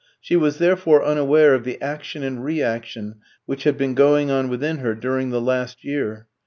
She was therefore unaware of the action and reaction which had been going on within her during the last year.